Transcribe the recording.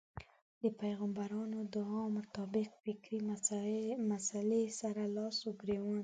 دې پيغمبرانه دعا مطابق فکري مسئلې سره لاس و ګرېوان دی.